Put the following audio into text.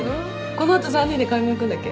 この後３人で買い物行くんだっけ？